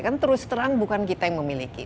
kan terus terang bukan kita yang memiliki